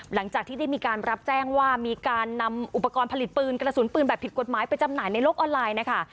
หลังจากที่ได้มีการรับแจ้งว่ามีการนำอุปกรณ์ผลิตปืนกระสุนปืนแบบผิดกฎหมายไปจำหน่ายในโลกออนไลน์นะคะ